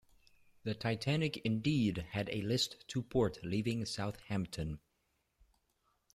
The "Titanic" indeed had a list to port leaving Southampton.